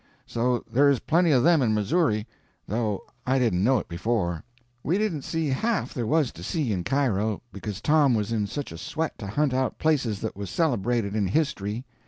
So there is plenty of them in Missouri, though I didn't know it before. We didn't see half there was to see in Cairo, because Tom was in such a sweat to hunt out places that was celebrated in history.